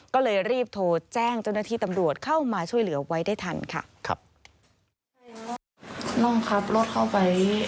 ก็เลยรีบโทรแจ้งเจ้าหน้าที่ตำรวจเข้ามาช่วยเหลือไว้ได้ทันค่ะครับ